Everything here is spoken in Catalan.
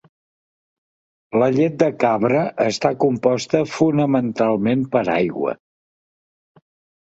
La llet de cabra està composta fonamentalment per aigua.